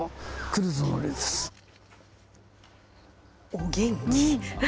お元気。